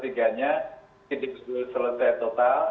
tidak selesai total